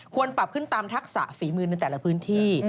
ปรับขึ้นตามทักษะฝีมือในแต่ละพื้นที่